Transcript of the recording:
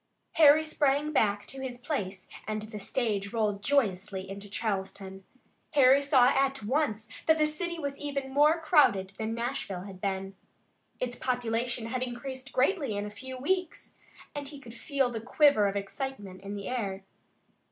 Harry sprang back to his place and the stage rolled joyously into Charleston. Harry saw at once that the city was even more crowded than Nashville had been. Its population had increased greatly in a few weeks, and he could feel the quiver of excitement in the air.